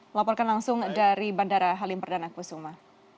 melaporkan langsung dari bandara halimperdanak pusuma